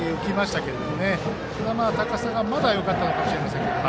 ただ、高さがまだよかったのかもしれません。